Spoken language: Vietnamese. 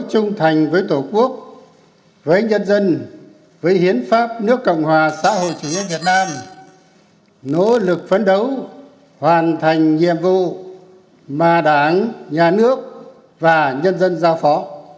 chủ tịch nước cộng hòa xã hội chủ nghĩa việt nam nỗ lực phấn đấu hoàn thành nhiệm vụ mà đảng nhà nước và nhân dân giao phó